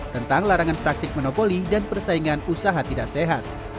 tentang larangan praktik monopoli dan persaingan usaha tidak sehat